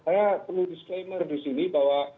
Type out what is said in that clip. saya perlu disclaimer di sini bahwa